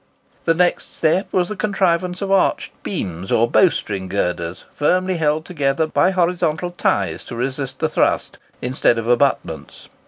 The next step was the contrivance of arched beams or bowstring girders, firmly held together by horizontal ties to resist the thrust, instead of abutments.